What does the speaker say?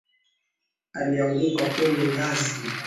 Alianguka kwenye ngazi